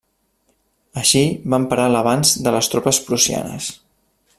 Així van parar l'avanç de les tropes prussianes.